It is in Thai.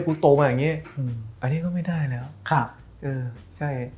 โตมาอย่างงี้อืมอันนี้ก็ไม่ได้แล้วครับเออใช่